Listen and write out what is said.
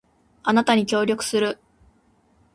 あなたに協力する